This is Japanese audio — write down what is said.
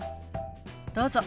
どうぞ。